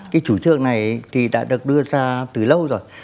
cái chủ trương này thì đã được đưa ra từ lâu rồi